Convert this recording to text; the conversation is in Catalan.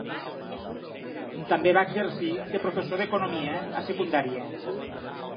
També va exercir de professor d’economia a secundària.